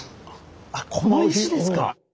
あっこの石ですか。